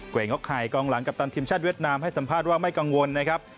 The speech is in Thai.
วงน็อกไข่กองหลังกัปตันทีมชาติเวียดนามให้สัมภาษณ์ว่าไม่กังวลนะครับ